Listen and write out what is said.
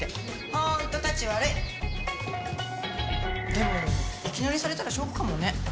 でもいきなりされたらショックかもね。